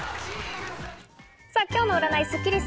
今日の占いスッキりす。